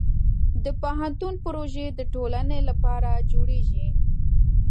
د پوهنتون پروژې د ټولنې لپاره جوړېږي.